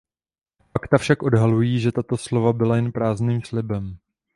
Fakta však odhalují, že tato slova byla jen prázdným slibem.